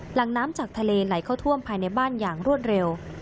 หลังน้ำจากทะเลไหลเข้าท่วมภายในบ้านอย่างรวดเร็ว